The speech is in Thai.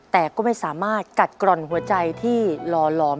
แต่ก็ไม่สามารถกัดกร่อนหัวใจที่หล่อหลอม